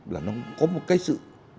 là nó có một cái sự